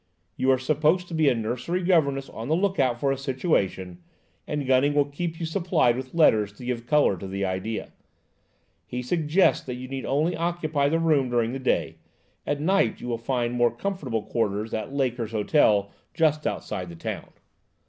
You are supposed to be a nursery governess on the lookout for a situation, and Gunning will keep you supplied with letters to give colour to the idea. He suggests that you need only occupy the room during the day, at night you will find far more comfortable quarters at Laker's Hotel, just outside the town."